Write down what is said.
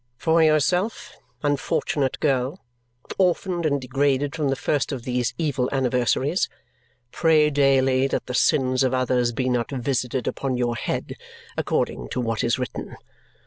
For yourself, unfortunate girl, orphaned and degraded from the first of these evil anniversaries, pray daily that the sins of others be not visited upon your head, according to what is written.